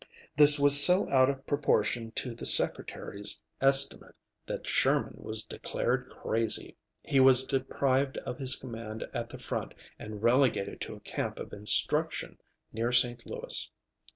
This was so out of proportion to the Secretary's estimate that Sherman was declared crazy; he was deprived of his command at the front and relegated to a camp of instruction near St. Louis.